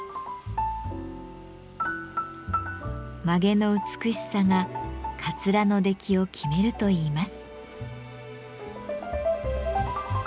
髷の美しさがかつらの出来を決めるといいます。